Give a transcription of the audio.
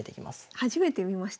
初めて見ました